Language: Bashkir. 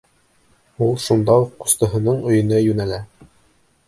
Ул шунда уҡ ҡустыһының өйөнә йүнәлә.